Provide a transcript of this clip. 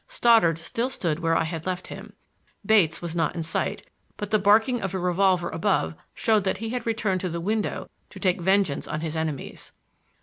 Stoddard still stood where I had left him. Bates was not in sight, but the barking of a revolver above showed that he had returned to the window to take vengeance on his enemies.